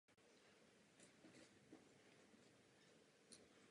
Muzeum je otevřeno od května do října každý den kromě pondělí.